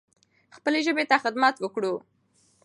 خپلې ژبې ته خدمت وکړو.